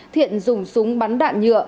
thiện dùng súng bắn đạn nhựa